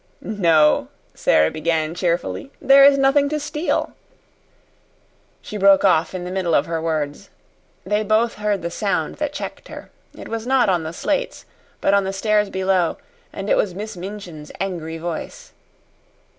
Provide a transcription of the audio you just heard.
"No," Sara began cheerfully. "There is nothing to steal " She broke off in the middle of her words. They both heard the sound that checked her. It was not on the slates, but on the stairs below, and it was Miss Minchin's angry voice.